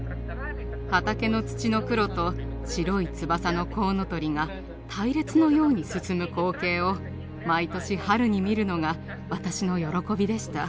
畑の土の黒と白い翼のコウノトリが隊列のように進む光景を毎年春に見るのが私の喜びでした。